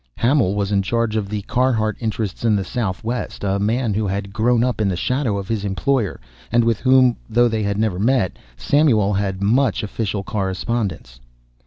Hamil was in charge of the Carhart interests in the Southwest, a man who had grown up in the shadow of his employer, and with whom, though they had never met, Samuel had had much official correspondence.